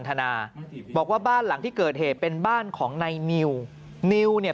ธนาบอกว่าบ้านหลังที่เกิดเหตุเป็นบ้านของนายนิวนิวเนี่ย